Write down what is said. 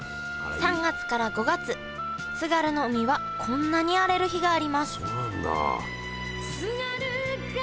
３月から５月津軽の海はこんなに荒れる日がありますそうなんだ。